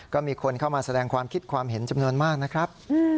ก็มีคนเข้ามาแสดงความคิดความเห็นจำนวนมากนะครับ